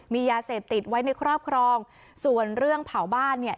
มียาเสพติดไว้ในครอบครองส่วนเรื่องเผาบ้านเนี่ย